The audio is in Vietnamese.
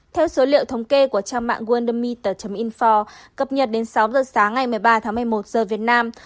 theo số liệu thống kê của trang mạng wondomet infor cập nhật đến sáu giờ sáng ngày một mươi ba tháng một mươi một giờ việt nam